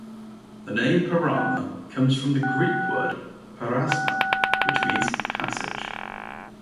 The name Perama comes from the Greek word "perasma" which means "passage".